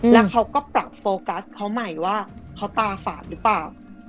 แล้วเขาก็ปรับโฟกัสเขาใหม่ว่าเขาตาฝาดหรือเปล่า